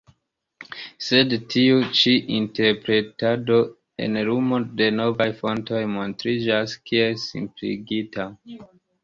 Sed tiu ĉi interpretado en lumo de novaj fontoj montriĝas kiel simpligita.